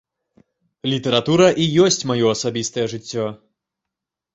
Літаратура і ёсць маё асабістае жыццё.